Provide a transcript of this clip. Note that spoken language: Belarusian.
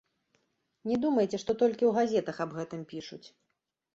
Не думайце, што толькі ў газетах аб гэтым пішуць.